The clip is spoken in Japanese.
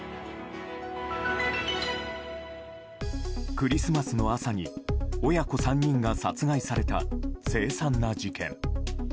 クリスマスの朝に親子３人が殺害された凄惨な事件。